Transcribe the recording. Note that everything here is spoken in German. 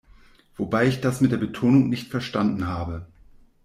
Wobei ich das mit der Betonung nicht verstanden habe.